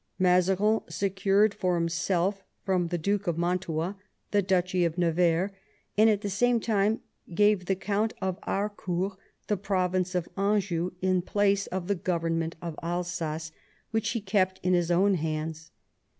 Mazarin secured for himself from the Duke of Mantua the duchy of Nevers, and at the same time gave the Count of Harcourt the province of Anjou in place of the government of Alsace, which he kept in his own hands.